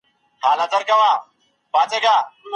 نړیوال سازمانونه د پرمختیا لپاره مالي مرستي چمتو کوي.